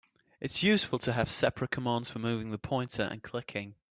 It's useful to have separate commands for moving the pointer and clicking.